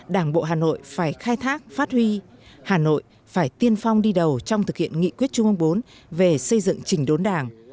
đảng bộ hà nội phải khai thác phát huy hà nội phải tiên phong đi đầu trong thực hiện nghị quyết trung ương bốn về xây dựng trình đốn đảng